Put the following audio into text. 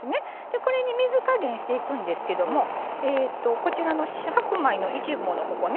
これに水加減していくんですけどもこちらの白米の１合のここね